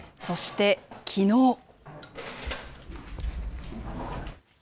そして、きのう。